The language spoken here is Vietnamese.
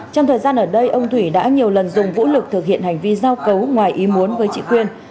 trong thời gian ở đây ông thủy đã nhiều lần dùng vũ lực thực hiện hành vi giao cấu ngoài ý muốn với chị quyên